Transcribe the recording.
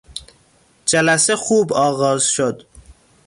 جلسه خوب آغاز شد.